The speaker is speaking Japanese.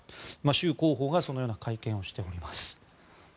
州広報がそのような会見をしております。